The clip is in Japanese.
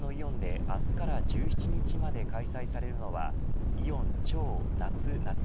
全国のイオンで明日から１７日まで開催されるのはイオン超！